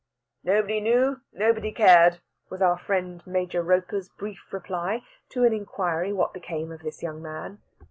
"Nobody knoo, nobody cared," was our friend Major Roper's brief reply to an inquiry what became of this young man.